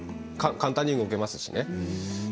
簡単に動けますしね。